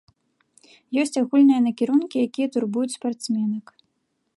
Ёсць агульныя накірункі, якія турбуюць спартсменак.